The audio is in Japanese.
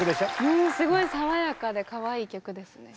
うんすごい爽やかでかわいい曲ですね。